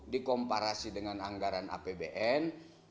dikomparasi dengan anggaran apbn